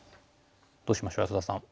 どうしましょう安田さん。